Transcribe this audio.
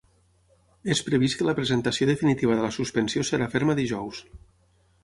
És previst que la presentació definitiva de la suspensió serà ferma dijous.